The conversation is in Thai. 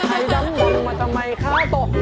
ไอ่ดำดำมาทำไมคะโถ